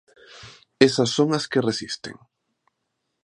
Esas son as que resisten.